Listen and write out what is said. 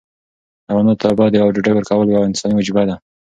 حیواناتو ته اوبه او ډوډۍ ورکول یوه انساني وجیبه ده.